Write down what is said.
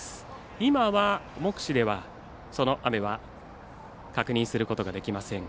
今は目視では、その雨は確認することができません。